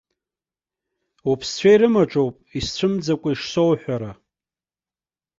Уԥсцәа ирымаҿоуп исцәымӡакәа ишсоуҳәара!